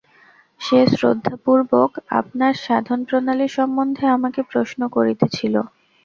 সে শ্রদ্ধাপূর্বক আপনার সাধনপ্রণালী সম্বন্ধে আমাকে প্রশ্ন করিতেছিল।